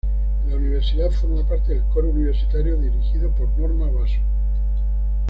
En la Universidad forma parte del Coro Universitario dirigido por Norma Basso.